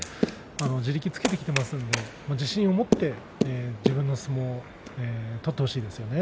地力をつけてきていますので自信を持って自分の相撲を取ってほしいですね。